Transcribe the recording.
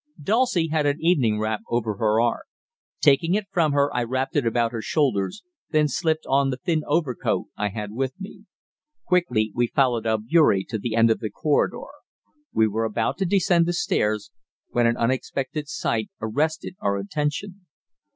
Dulcie had an evening wrap over her arm. Taking it from her, I wrapped it about her shoulders, then slipped on the thin overcoat I had with me. Quickly we followed Albeury to the end of the corridor. We were about to descend the stairs, when an unexpected sight arrested our attention.